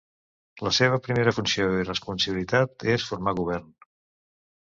La seva primera funció i responsabilitat és formar govern.